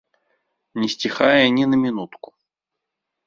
Не сціхае ні на мінутку.